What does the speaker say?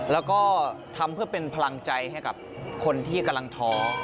แล้วก็ทำเพื่อเป็นพลังใจให้กับคนที่กำลังท้อ